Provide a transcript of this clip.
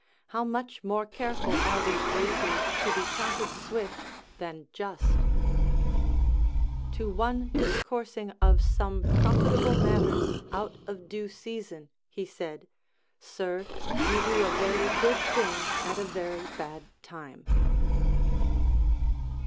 How much more careful are these racers to be counted swift than just ! To one discoursing of some profitable matters out of due season he said, Sir, you do a very good thing at a very bad time.